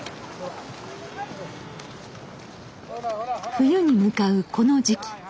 冬に向かうこの時期。